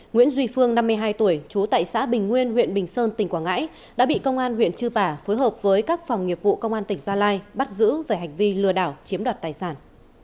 nguyễn duy phương năm mươi hai tuổi chú tại xã bình nguyên huyện bình sơn tỉnh quảng ngãi đã bị công an huyện chư pả phối hợp với các phòng nghiệp vụ công an tỉnh gia lai bắt giữ về hành vi lừa đảo chiếm đoạt tài sản